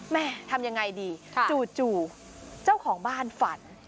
แม่ทำยังไงดีจู่เจ้าของบ้านฝัน